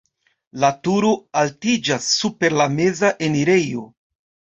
La turo altiĝas super la meza enirejo.